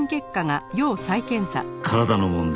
「体の問題」